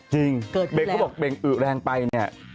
จริงเบ่งเขาบอกเบ่งอืแรงไป